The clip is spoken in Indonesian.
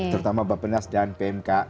terutama bpnas dan pmk